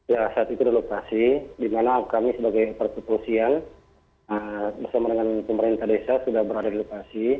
ya saat itu di lokasi di mana kami sebagai perpusian bersama dengan pemerintah desa sudah berada di lokasi